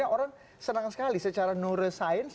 orang senang sekali secara neuroscience